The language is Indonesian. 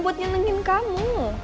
buat nyenengin kamu